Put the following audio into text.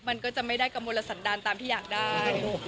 มันก็จะไม่ได้กระมวลสันดาลตามที่อยากได้